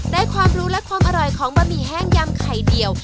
ได้ความรู้และความอร่อยของบะหมี่แห้งยำไข่เดี่ยว